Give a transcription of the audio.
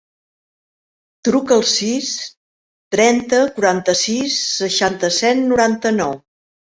Truca al sis, trenta, quaranta-sis, seixanta-set, noranta-nou.